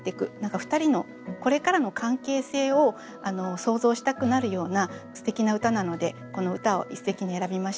２人のこれからの関係性を想像したくなるようなすてきな歌なのでこの歌を一席に選びました。